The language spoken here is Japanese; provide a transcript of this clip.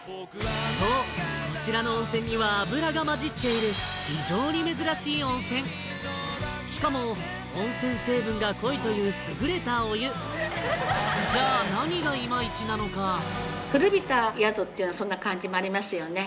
そうこちらの温泉には油が混じっている非常に珍しい温泉しかも温泉成分が濃いという優れたお湯じゃあ何がイマイチなのか古びた宿っていうそんな感じもありますよね